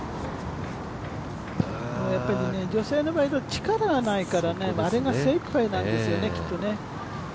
女性の場合、力がないからあれが精いっぱいなんですよねきっとね。